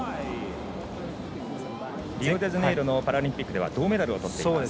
リオデジャネイロのパラリンピックでは銅メダルをとっています。